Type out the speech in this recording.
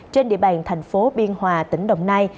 trên địa bàn thành phố biên hòa tỉnh đồng nai